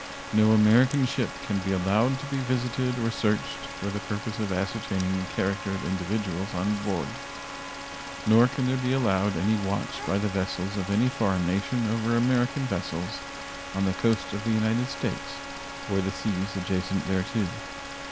No American ship can be allowed to be visited or searched for the purpose of ascertaining the character of individuals on board, nor can there be allowed any watch by the vessels of any foreign nation over American vessels on the coast of the United States or the seas adjacent thereto.